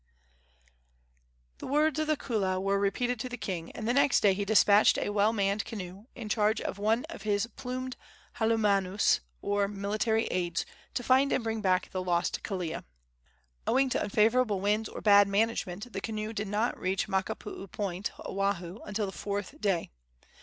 The words of the kaula were repeated to the king, and the next day he despatched a well manned canoe, in charge of one of his plumed halumanus, or military aids, to find and bring back the lost Kelea. Owing to unfavorable winds or bad management the canoe did not reach Makapuu Point, Oahu, until the fourth day.